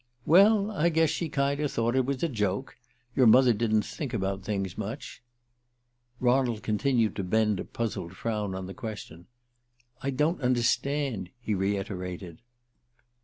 "Well, I guess she kinder thought it was a joke. Your mother didn't think about things much." Ronald continued to bend a puzzled frown on the question. "I don't understand," he reiterated.